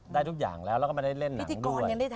ได้ทุกอย่างแล้วแล้วก็ไม่ได้เล่นหนังด้วย